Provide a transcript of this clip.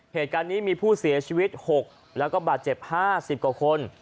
เหตุการณ์นี้มีผู้เสียชีวิต๖แล้วก็บาดเจ็บ๕๐กว่าคน